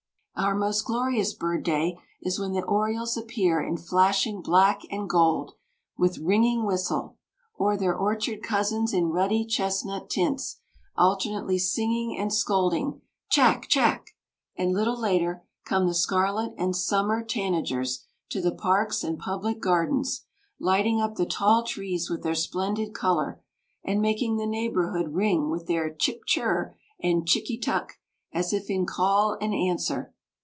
Our most glorious bird day is when the orioles appear in flashing black and gold with ringing whistle, or their orchard cousins in ruddy chestnut tints, alternately singing and scolding, chack! chack! and little later, come the scarlet and summer tanagers to the parks and public gardens, lighting up the tall trees with their splendid color, and making the neighborhood ring with their chip chur and chicky tuck! as if in call and answer.